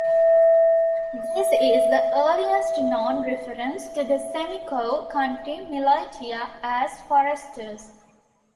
This is the earliest known reference to the Simcoe County militia as Foresters.